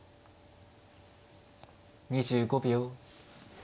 ２５秒。